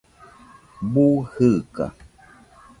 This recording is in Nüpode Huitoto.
Bu jɨɨka